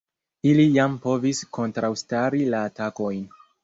Ili jam povis kontraŭstari la atakojn.